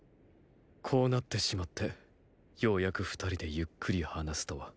こうなってしまってようやく二人でゆっくり話すとは。